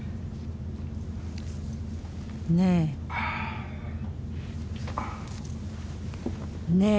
・ねえ？ねえ？